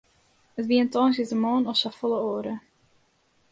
It wie in tongersdeitemoarn as safolle oare.